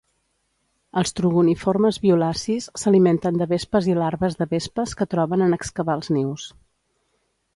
Els trogoniformes violacis s'alimenten de vespes i larves de vespes que troben en excavar els nius.